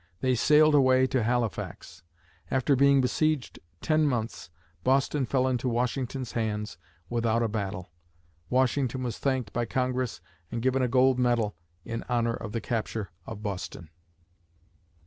They sailed away to Halifax. After being besieged ten months, Boston fell into Washington's hands without a battle! Washington was thanked by Congress and given a gold medal in honor of the capture of Boston.